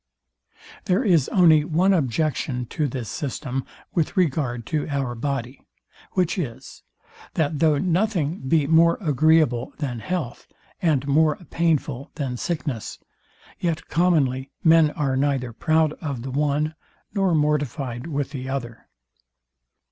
There is only one objection to this system with regard to our body: which is, that though nothing be more agreeable than health, and more painful than sickness, yet commonly men are neither proud of the one, nor mortifyed with the other.